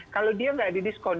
kalau dia nggak di diskon